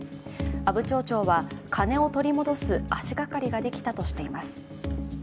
阿武町長は金を取り戻す足がかりができたとしています。